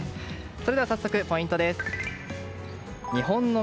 それでは早速、ポイントです。